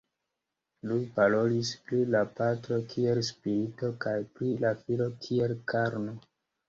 Iuj parolis pri la Patro kiel Spirito kaj pri la Filo kiel "karno".